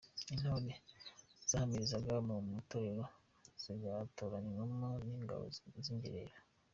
Intore : Zahamirizaga mu matorero zigatoranywamo n’ ingabo z’ ingerero.